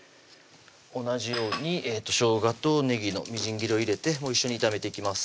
同じようにしょうがとねぎのみじん切りを入れてもう一緒に炒めていきます